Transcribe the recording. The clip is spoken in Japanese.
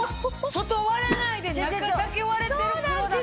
外割れないで中だけ割れてる！